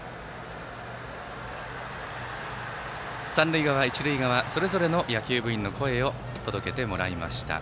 三塁側、一塁側それぞれの野球部員の声を届けてもらいました。